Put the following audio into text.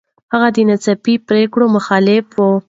هغه د ناڅاپي پرېکړو مخالف و.